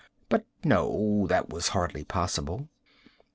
But no. That was hardly possible.